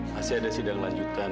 masih ada sidang lanjutan